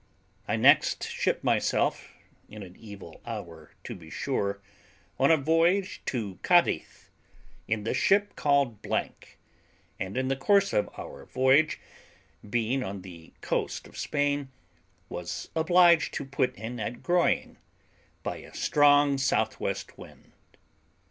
I next shipped myself, in an evil hour to be sure, on a voyage to Cadiz, in a ship called the , and in the course of our voyage, being on the coast of Spain, was obliged to put into the Groyn, by a strong southwest wind.